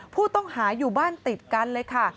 ผู้ต้องหาอยู่บ้านติดกันเลยค่ะ